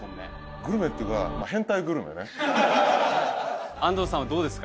グルメっていうか安藤さんはどうですか？